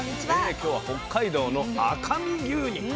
今日は北海道の赤身牛肉。